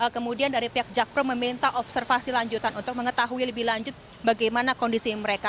kemudian dari pihak jakpro meminta observasi lanjutan untuk mengetahui lebih lanjut bagaimana kondisi mereka